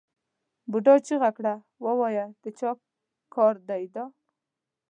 بوډا چیغه کړه ووایه د چا کار دی دا؟